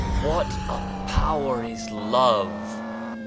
HAT a power is Love